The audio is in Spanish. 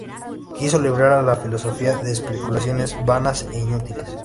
Quiso librar a la filosofía de especulaciones vanas e inútiles.